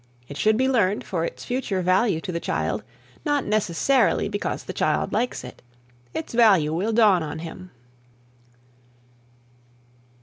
It should be learned for its future value to the child, not necessarily because the child likes it. Its value will dawn on him.